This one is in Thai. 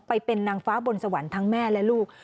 ไปเป็นนางฟ้าบนสวรรค์ทั้งแม่และลูก